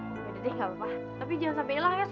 eh jangan gede deh gak apa apa tapi jangan kemana mana ya